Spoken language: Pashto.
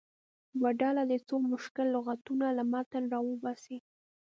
یوه ډله دې څو مشکل لغتونه له متن راوباسي.